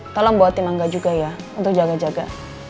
tolong bawa tim angga juga ya untuk jaga jaga